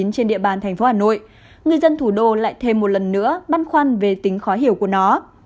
trên địa bàn thành phố hà nội người dân thủ đô lại thêm một lần nữa băn khoăn về tính khó hiểu của nó